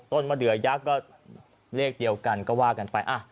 ต้นมาเดือร์ยักษ์ก็เลขเดียวกันก็ว่ากันไปอ่ะ